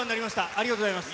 ありがとうございます。